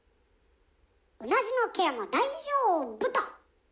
うなじのケアも大丈夫と。